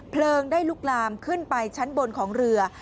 เพลิงได้ลุกลามขึ้นไปชั้นบนของเรือ